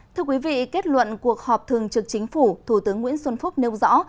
thưa quý vị kết luận cuộc họp thường trực chính phủ thủ tướng nguyễn xuân phúc nêu rõ